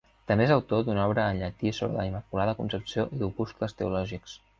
També és autor d'una obra en llatí sobre la Immaculada Concepció i d'opuscles teològics.